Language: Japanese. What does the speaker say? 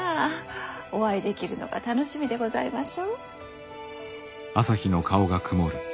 お会いできるのが楽しみでございましょう。